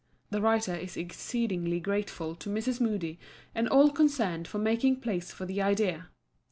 The writer is exceedingly grateful to Mrs. Moody and all concerned for making place for the idea.